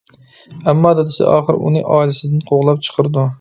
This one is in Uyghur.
ئەمما دادىسى ئاخىر ئۇنى ئائىلىسىدىن قوغلاپ چىقىرىدۇ.